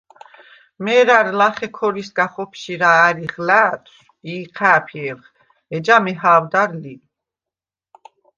მე̄რა̈რ ლახე ქორისგა ხოფშირა ა̈რიხ ლა̄̈თშვ ი იჴა̄̈ფიე̄ლხ, ეჯა მეჰა̄ვდარ ლი.